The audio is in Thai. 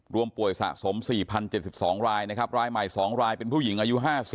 รวมป่วยสะสม๔๐๗๒รายนะครับรายใหม่๒รายเป็นผู้หญิงอายุ๕๐